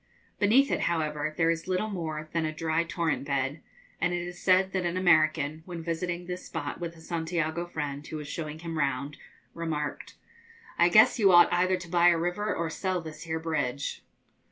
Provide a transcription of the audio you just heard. Beneath it, however, there is little more than a dry torrent bed; and it is said that an American, when visiting this spot with a Santiago friend, who was showing him round, remarked, 'I guess you ought either to buy a river or sell this here bridge.'